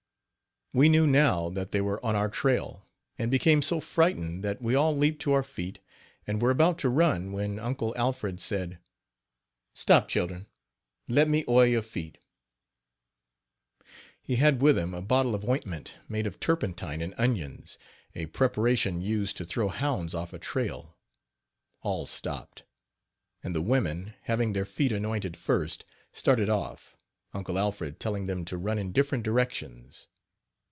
We knew now that they were on our trail, and became so frightened that we all leaped to our feet, and were about to run, when Uncle Alfred said: "Stop children, let me oil you feet." He had with him a bottle of ointment made of turpentine and onions, a preparation used to throw hounds off a trail. All stopped; and the women, having their feet anointed first, started off, Uncle Alfred telling them to run in different directions.